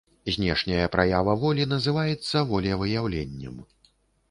Знешняя праява волі называецца волевыяўленнем.